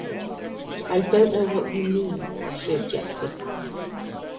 "I don't know what you mean" she objected.